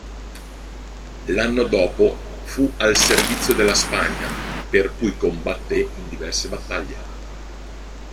L'anno dopo fu al servizio della Spagna, per cui combatté in diverse battaglie.